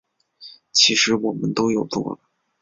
其实我们都有做了